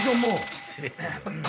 失礼だぞ。